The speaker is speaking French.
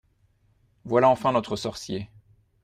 Voilà enfin notre sorcier…